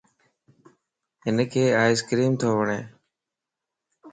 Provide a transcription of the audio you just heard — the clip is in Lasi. ھينک آئس ڪريم تووڻ